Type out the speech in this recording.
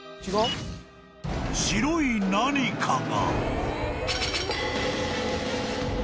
［白い何かが］